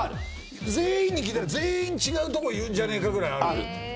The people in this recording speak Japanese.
全員に聞いたら全員違うとこ言うんじゃねえかぐらいある。